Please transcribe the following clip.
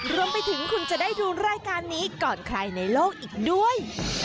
รวมไปถึงคุณจะได้ดูรายการนี้ก่อนใครในโลกอีกด้วย